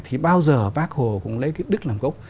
thì bao giờ bác hồ cũng lấy cái đức làm gốc